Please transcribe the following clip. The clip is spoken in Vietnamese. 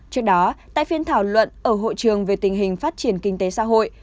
trước đó tại phiên thảo luận ở hội trường về tình hình phát triển kinh tế xã hội